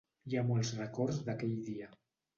Hi ha molts records d’aquell dia.